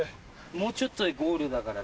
もうちょっとでゴールだから。